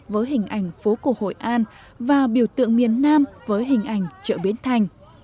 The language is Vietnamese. với hình ảnh phố cổ hội an và biểu tượng miền nam với hình ảnh chợ biến thành